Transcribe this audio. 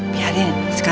biar tenang dulu